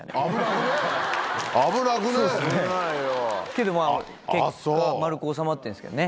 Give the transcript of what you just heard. けどまぁ結果丸く収まってるんですけどね。